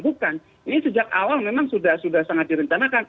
bukan ini sejak awal memang sudah sangat direncanakan